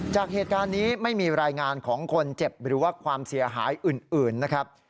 จากเหตุการณ์นี้ไม่มีรายงานของคนเจ็บหรือว่าความเสียหายอื่นนะครับ